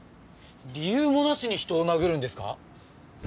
理由もなしに人を殴るんですか？